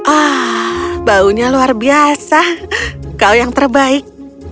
ah baunya luar biasa kau yang terbaik